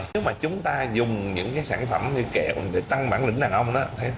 nếu mà chúng ta dùng những sản phẩm như kẹo để tăng bản lĩnh đàn ông